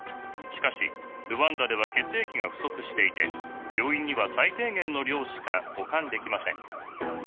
しかしルワンダでは血液が不足していて病院には最低限の量しか保管できません。